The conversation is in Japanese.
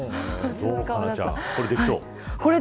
どう佳菜ちゃんこれできそう。